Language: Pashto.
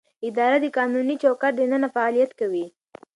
اداره د قانوني چوکاټ دننه فعالیت کوي.